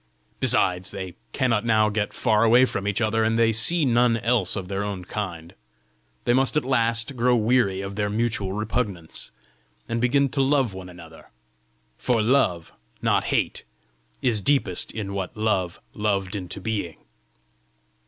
Besides, they cannot now get far away from each other, and they see none else of their own kind: they must at last grow weary of their mutual repugnance, and begin to love one another! for love, not hate, is deepest in what Love 'loved into being.